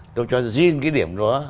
tôi cho riêng cái điểm đó